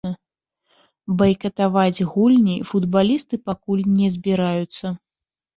Байкатаваць гульні футбалісты пакуль не збіраюцца.